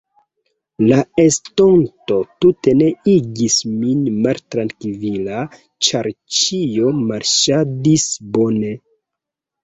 La estonto tute ne igis min maltrankvila, ĉar ĉio marŝadis bone.